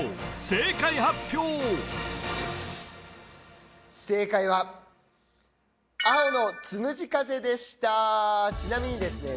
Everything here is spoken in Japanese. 正解発表正解は青のつむじかぜでしたちなみにですね